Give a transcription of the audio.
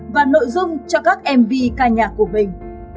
và nội dung cho các mv ca nhạc của mình